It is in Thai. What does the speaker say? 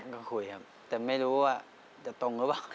ก็คุยครับแต่ไม่รู้ว่าจะตรงหรือเปล่า